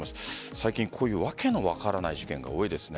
最近、こういうわけのわからない事件が多いですね。